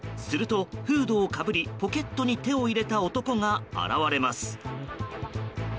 すると、フードをかぶりポケットに手を入れた男が現れます。